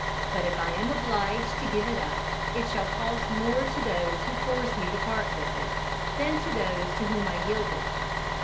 But if I am obliged to give it up it shall cost more to those who force me to part with it, than to those to whom I yield it.